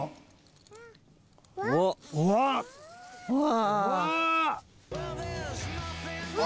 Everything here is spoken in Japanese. うわ！